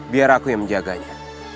biar aku yang menjaganya